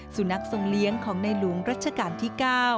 สุนัขทรงเลี้ยงของในหลวงรัชกาลที่๙